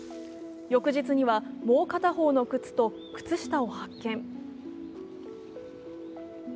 翌日には、もう片方の靴と靴下を発見。